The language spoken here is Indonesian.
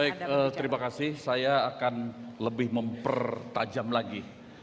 baik terima kasih saya akan lebih mempertajam lagi